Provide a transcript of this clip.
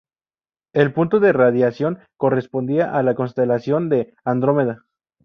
El punto de radiación correspondía a la constelación de Andrómeda.